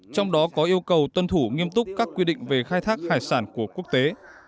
trong đó có yêu cầu tuân thủ nghiêm túc các quy định về khai thác hải sản của quốc tế